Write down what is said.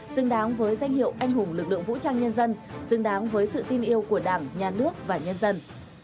xứng đáng với danh hiệu anh hùng lực lượng vũ trang nhân dân xứng đáng với sự tin yêu của đảng nhà nước và nhân dân